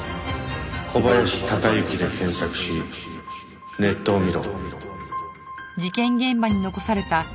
「“小林孝之”で検索しネットを見ろ」